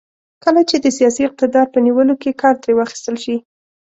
کله چې د سیاسي اقتدار په نیولو کې کار ترې واخیستل شي.